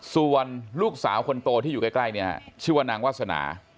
ส่วนลูกสาวคนโตที่อยู่ใกล้เนี่ยชื่อว่านางวาสนา